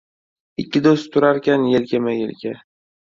Ikki do‘st turarkan yelkama-elka